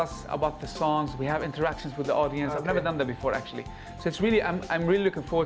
sangat menarik ya